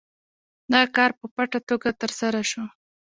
دا کار په پټه توګه ترسره شو.